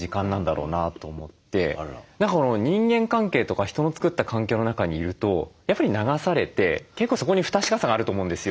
何か人間関係とか人の作った環境の中にいるとやっぱり流されて結構そこに不確かさがあると思うんですよ。